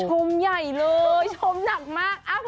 มใหญ่เลยชมหนักมาก